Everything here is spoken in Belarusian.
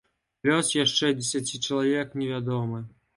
Лёс яшчэ дзесяці чалавек невядомы.